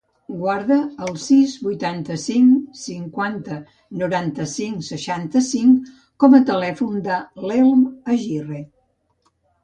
Guarda el sis, vuitanta-cinc, cinquanta, noranta-cinc, seixanta-cinc com a telèfon de l'Elm Agirre.